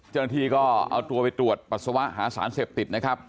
เจ้าหน้าที่ก็เอาตัวไปตรวจปัสสาวะหาสารเสพติดนะครับ